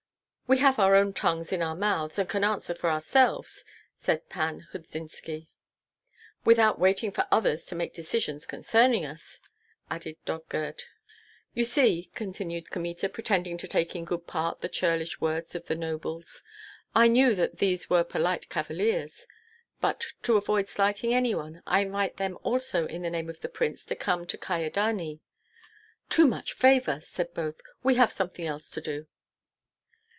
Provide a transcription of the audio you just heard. "We have our own tongues in our mouths, and can answer for ourselves," said Pan Hudzynski. "Without waiting for others to make decisions concerning us," added Dovgird. "You see," continued Kmita, pretending to take in good part the churlish words of the nobles, "I knew that these were polite cavaliers. But to avoid slighting any one, I invite them also in the name of the prince to come to Kyedani." "Too much favor," said both; "we have something else to do."